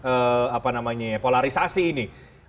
apa namanya polarisasi ini